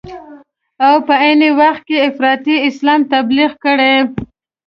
او په عین وخت کې افراطي اسلام تبلیغ کړي.